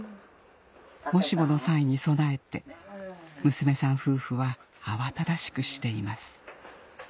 もしもの際に備えて娘さん夫婦は慌ただしくしています